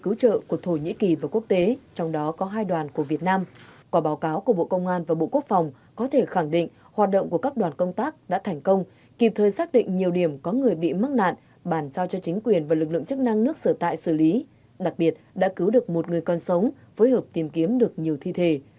quả báo cáo của bộ công an và bộ quốc phòng có thể khẳng định hoạt động của các đoàn công tác đã thành công kịp thời xác định nhiều điểm có người bị mắc nạn bản sao cho chính quyền và lực lượng chức năng nước sở tại xử lý đặc biệt đã cứu được một người con sống phối hợp tìm kiếm được nhiều thi thể